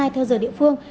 theo giờ địa phương